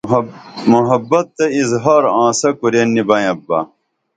محبت تہ اظہار آنسہ کورین نی بینپ بہ